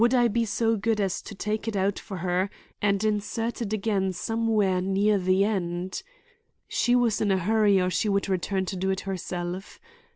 Would I be so good as to take it out for her and insert it again somewhere near the end? She was in a hurry or she would return and do it herself.